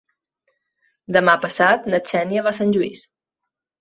Demà passat na Xènia va a Sant Lluís.